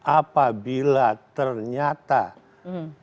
apabila ternyata tidak bisa diperbaiki